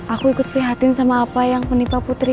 aku ikut prihatin sama apa yang menimpa putri